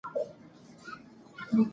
څراغ مه مړ کوه ترڅو لاره ورکه نه شي.